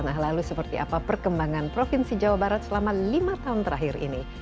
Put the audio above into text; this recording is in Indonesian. nah lalu seperti apa perkembangan provinsi jawa barat selama lima tahun terakhir ini